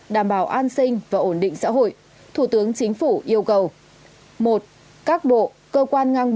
đảm bảo an sinh và ổn định xã hội thủ tướng chính phủ yêu cầu